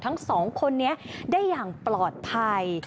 ทั้งสองคนนี้ได้อย่างปลอดภัย